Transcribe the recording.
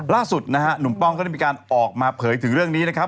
ล่าสุดนะฮะหนุ่มป้องก็ได้มีการออกมาเผยถึงเรื่องนี้นะครับ